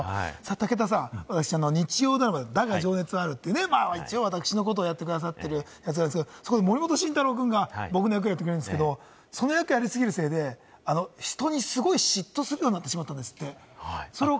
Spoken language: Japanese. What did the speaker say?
武田さん、私、日曜ドラマの『だが、情熱はある』という私のことをやってくださっているものなんですが、森本慎太郎くんが僕の役をやってくれてるんですが、その役をやり過ぎるせいで、人に嫉妬するようになってしまったそうなんですよ。